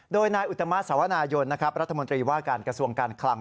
โดยนายอุตมะสวนายนรัฐมนตรีว่าการกระทรวงการคลัง